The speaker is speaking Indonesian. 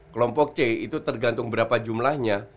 kelompok c itu tergantung berapa jumlahnya